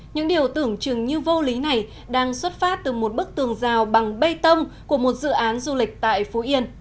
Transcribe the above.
những điều tưởng chừng như vô lý này đang xuất phát từ một bức tường rào bằng bê tông của một dự án du lịch tại phú yên